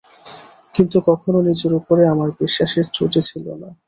কিন্তু কখনো নিজের উপরে আমার বিশ্বাসের ত্রুটি ছিল না।